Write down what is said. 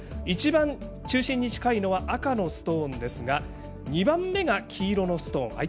一番中心に近いのは赤のストーンですが２番目が黄色のストーン。